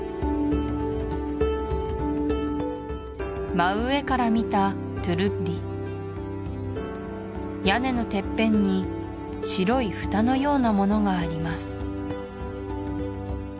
真上から見たトゥルッリ屋根のてっぺんに白いふたのようなものがあります